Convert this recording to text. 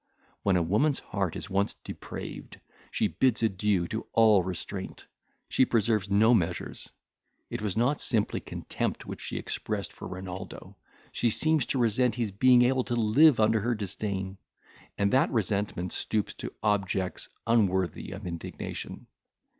When a woman's heart is once depraved, she bids adieu to all restraint;—she preserves no measures. It was not simply contempt which she expressed for Renaldo; she seems to resent his being able to live under her disdain; and that resentment stoops to objects unworthy of indignation.